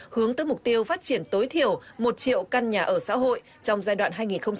hướng tới mục tiêu phát triển tối thiểu một triệu căn nhà ở xã hội trong giai đoạn hai nghìn hai mươi một hai nghìn hai mươi năm